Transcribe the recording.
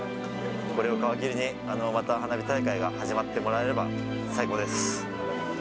これを皮切りに、また花火大会が始まってもらえれば、最高です。